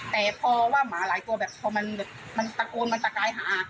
แต่พอว่าหมาหลายตัวแบบพอมันแบบมันตะโกนมันตะกายหา